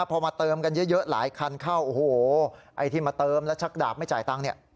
พอมาเติมกันเยอะหลายคันเข้าโอ้โหไอ้ที่มาเติมแล้วชักดาบไม่จ่ายตังค์เนี่ย